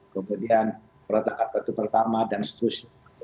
kemudian perletakan batu pertama dan seterusnya